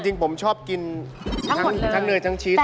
จริงผมชอบกินทั้งเนยทั้งชีส